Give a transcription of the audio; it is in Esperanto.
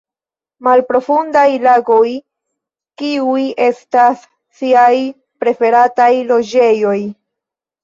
Malprofundaj lagoj kiuj estas siaj preferataj loĝejoj.